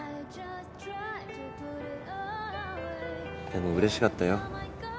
でもうれしかったよ。